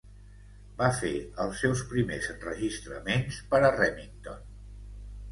Va fer els seus primers enregistraments per a Remington.